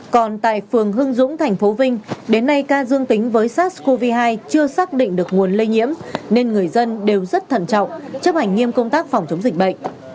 còn tại phường hưng dũng thành phố vinh đến nay ca dương tính với sars cov hai chưa xác định được nguồn lây nhiễm nên người dân đều rất thận trọng chấp hành nghiêm công tác phòng chống dịch bệnh